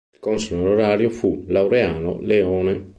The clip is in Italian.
Il console onorario fu Laureano Leone.